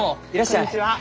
こんにちは！